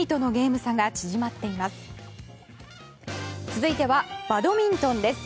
続いてはバドミントンです。